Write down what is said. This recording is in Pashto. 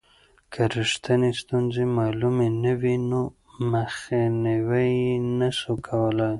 که رښتینې ستونزې معلومې نه وي نو مخنیوی یې نسو کولای.